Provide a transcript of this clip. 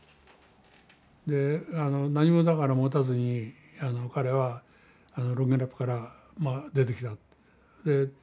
であの何も持たずに彼はロンゲラップから出てきた。